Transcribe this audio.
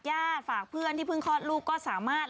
ฝากเพื่อนที่เพิ่งคลอดลูกก็สามารถ